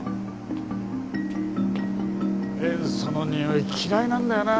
塩素のにおい嫌いなんだよな